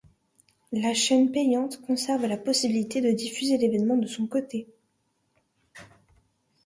La chaîne payante conserve la possibilité de diffuser l'événement de son côté.